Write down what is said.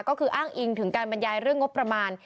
ก็คืออ้างอิงถึงการบรรยายเรื่องงบประมาณ